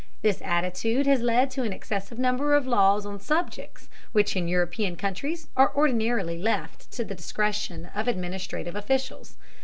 This attitude has led to an excessive number of laws on subjects which in European countries are ordinarily left to the discretion of administrative officials.